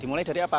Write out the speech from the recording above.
dimulai dari apa